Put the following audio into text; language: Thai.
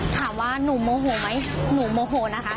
ถามว่าหนูโมโหไหมหนูโมโหนะคะ